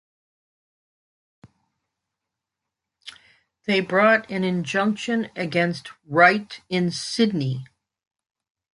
They brought an injunction against Wright in Sydney.